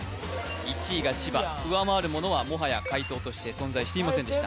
１位が千葉上回るものはもはや解答として存在していませんでした